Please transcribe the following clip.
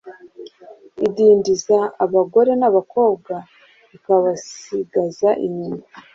idindiza abagore n’abakobwa ikabasigaza inyuma.